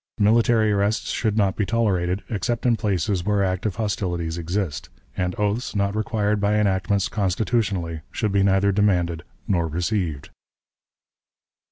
Military arrests should not be tolerated, except in places where active hostilities exist; and oaths, not required by enactments constitutionally, should be neither demanded nor received."